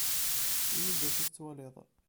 Ini-d d acu tettwaliḍ.